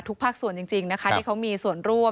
ทุกภาคส่วนจริงที่เขามีส่วนร่วม